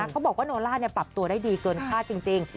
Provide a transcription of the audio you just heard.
เขาบอกว่าโนลาปรับจะได้ดีกว่าจริง